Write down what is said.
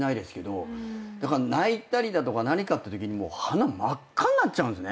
泣いたりだとか何かってときに鼻真っ赤になっちゃうんですね。